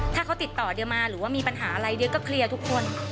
ถ้าเขาติดต่อเดียมาหรือว่ามีปัญหาอะไรเดี๋ยวก็เคลียร์ทุกคน